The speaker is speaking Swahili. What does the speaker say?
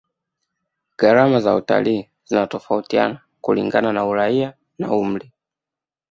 gharama za utalii zinatofautiana kulingana na uraia na umri